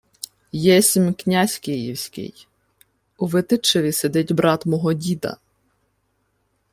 — Єсмь князь київський. У Витичеві сидить брат мого діда.